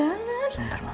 eh makanya sebentar ma